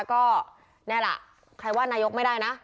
ก็แน่ล่ะใครว่านายกไม่ได้นะ